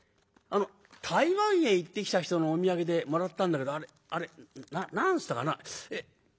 台湾へ行ってきた人のお土産でもらったんだけどあれ何つったかなあ。